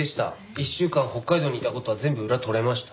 １週間北海道にいた事は全部裏取れました。